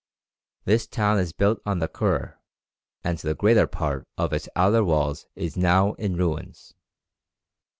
This town is built on the Kur, and the greater part of its outer walls is now in ruins.